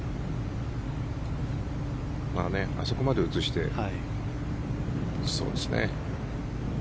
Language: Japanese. あそこまで映してそうですね。